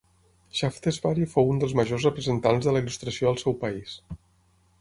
Shaftesbury fou un dels majors representants de la Il·lustració al seu país.